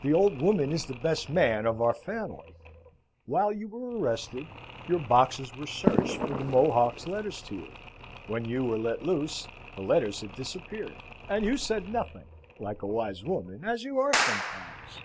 The old woman is the best man of our family. While you were arrested, your boxes were searched for the Mohock's letters to you. When you were let loose, the letters had disappeared, and you said nothing, like a wise woman, as you are sometimes.